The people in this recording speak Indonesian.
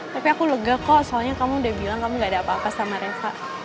tapi aku lega kok soalnya kamu udah bilang kamu gak ada apa apa sama reva